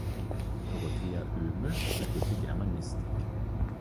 Dorothea Oehme studierte Germanistik.